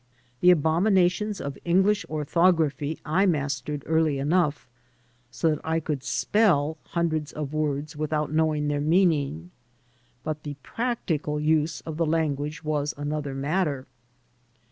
The ^abominations of English orthography I mastered early enough, so that I could spell hundreds of words without knowing their meaning. But the practical use of the language was another matter.